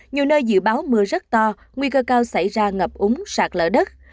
nhiều nơi dự báo mưa rất to nguy cơ cao xảy ra ngập úng sạt lở đất